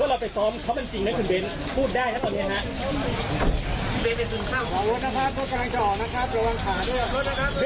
เว็บขนาดเราได้ยุ่งเสี่ยวนะคุณเบนส์ครับ